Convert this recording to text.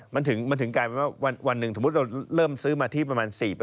มันถึงกลายเป็นว่าวันหนึ่งสมมุติเราเริ่มซื้อมาที่ประมาณ๔